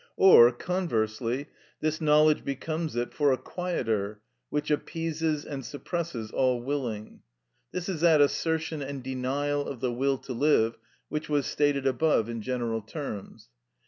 Or, conversely, this knowledge becomes for it a quieter, which appeases and suppresses all willing. This is that assertion and denial of the will to live which was stated above in general terms.